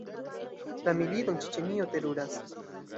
La milito en Ĉeĉenio teruras.